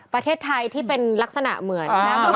ประเทศไทยที่เป็นลักษณะเหมือน